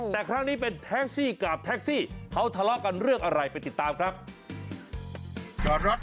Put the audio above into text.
แต่ครั้งนี้เป็นแท็กซี่กับแท็กซี่เขาทะเลาะกันเรื่องอะไรไปติดตามครับ